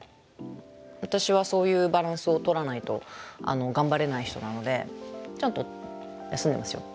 私はそういうバランスをとらないと頑張れない人なのでちゃんと休んでますよ。